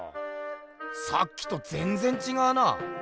さっきとぜんぜん違うな。